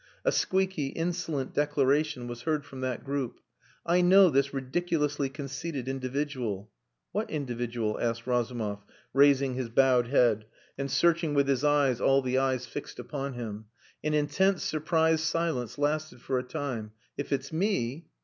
A squeaky, insolent declaration was heard from that group. "I know this ridiculously conceited individual." "What individual?" asked Razumov, raising his bowed head, and searching with his eyes all the eyes fixed upon him. An intense surprised silence lasted for a time. "If it's me...."